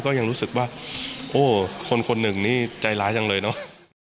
ก็ยังรู้สึกว่าโอ้คนคนหนึ่งนี่ใจร้ายจังเลยเนอะ